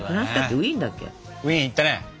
ウィーン行ったね。